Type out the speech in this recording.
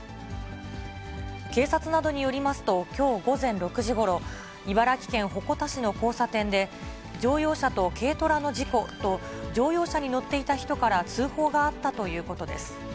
警察などによりますと、きょう午前６時ごろ、茨城県鉾田市の交差点で、乗用車と軽トラの事故と、乗用車に乗っていた人から通報があったということです。